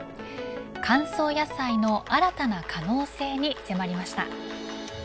乾燥野菜の新たな可能性に迫りました。